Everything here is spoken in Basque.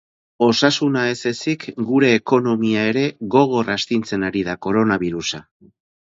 Osasuna ez ezik, gure ekonomia ere gogor astintzen ari da koronabirusa.